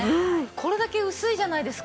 これだけ薄いじゃないですか。